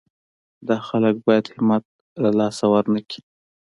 دا خلک باید همت له لاسه ورنه کړي.